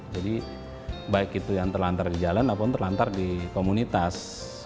jadi baik itu yang terlantar di jalan ataupun terlantar di komunitas